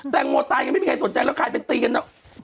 แตงโมตายยังไม่มีใครสนใจแล้วใครไปตีกันเนอะ